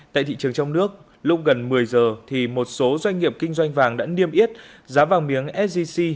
tại thị trường trong nước lúc gần một mươi giờ thì một số doanh nghiệp kinh doanh vàng đã niêm yết giá vàng miếng sgc